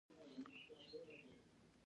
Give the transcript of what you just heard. د مثبت چارج لرونکی جسم الکترون له لاسه ورکوي.